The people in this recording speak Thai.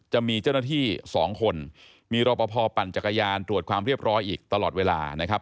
จะมีเจ้าหน้าที่๒คนมีรอปภปั่นจักรยานตรวจความเรียบร้อยอีกตลอดเวลานะครับ